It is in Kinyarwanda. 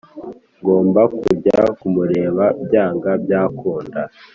ngomba kujya kumureba byanga byakunda